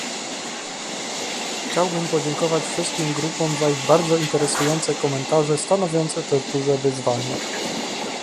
Chciałbym podziękować wszystkim grupom za ich bardzo interesujące komentarze, stanowiące też duże wyzwanie